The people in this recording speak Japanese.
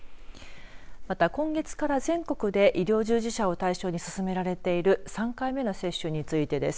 また、今月から全国で医療従事者を対象に進められている３回目の接種についてです。